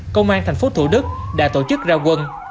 công an thành phố thủ đức đã tổ chức ra quân